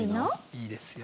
いいですよ。